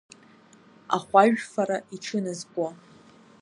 Ахәажәфара иҽыназкуа.